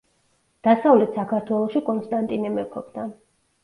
დასავლეთ საქართველოში კონსტანტინე მეფობდა.